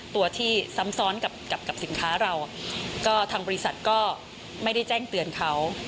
ตัวที่ซ้ำซ้อนกับสินค้าเราก็ทางบริษัทก็ไม่ได้แจ้งเตือนเขา